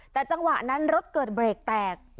แต่จังหวะนั้นรถเกิดเบรกแตก